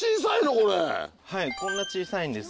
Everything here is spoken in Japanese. はいこんな小さいんです。